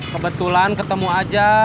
kebetulan ketemu aja